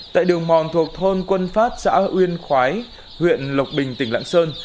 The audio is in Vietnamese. tại đường mòn thuộc thôn quân phát xã uyên khói huyện lộc bình tỉnh lạng sơn